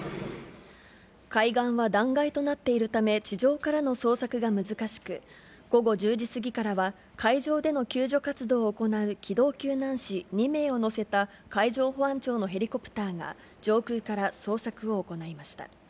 海岸は断崖となっているため、地上からの捜索が難しく、午後１０時過ぎからは、海上での救助活動を行う機動救難士２名を乗せた海上保安庁のヘリコプターが上空から捜索を行いました。